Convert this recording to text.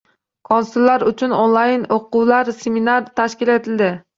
Konsullar uchun onlayn o‘quv seminar tashkil etildi